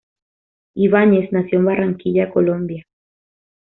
Ibañez nació en Barranquilla, Colombia.